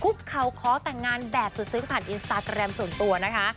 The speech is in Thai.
เขาขอแต่งงานแบบสุดซึ้งผ่านอินสตาแกรมส่วนตัวนะคะ